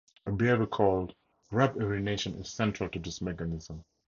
A behavior called "rub-urination" is central to this mechanism.